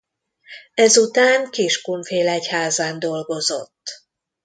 Ezután Kiskunfélegyházán dolgozott.